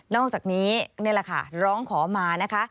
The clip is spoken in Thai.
อกจากนี้นี่แหละค่ะร้องขอมานะคะ